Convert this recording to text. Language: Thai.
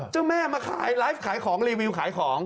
เจ้าแม่มาขายไลฟ์ขายของรีวิวขายของ